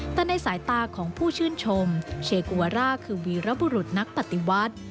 แต่ในสายตาของผู้ชื่นชมเชกูวาร่าคือวีรบุรุษนักปฏิวัติ